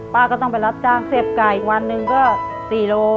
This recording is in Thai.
ป้าก็ต้องเป็นรับจากเสียบไก่วันหนึ่งก็๔โลกรัม